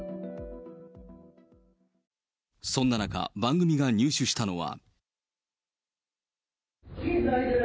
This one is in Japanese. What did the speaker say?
そんな中、番組が入手したのは。